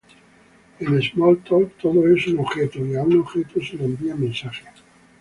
En Smalltalk todo es un objeto, y a un objeto se le envían mensajes.